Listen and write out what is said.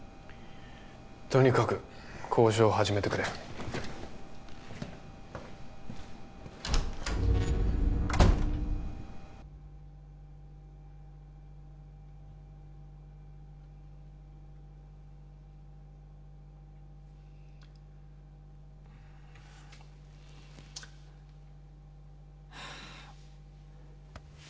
とにかく交渉を始めてくれはあ